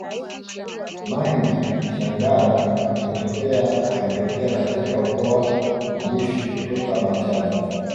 Mangi shangali alitokea alitokea katika ukoo wa Mushi kutoka Machame